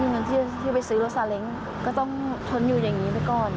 คุณชายเนี่ยครับน้องเขาปวดกันอะไรอย่างนี้